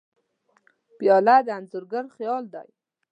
پیاله د انځورګر خیال دی.